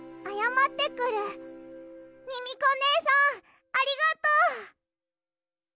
ミミコねえさんありがとう！